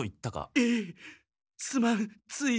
えっすまんつい。